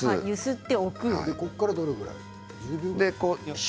ここからどのくらい？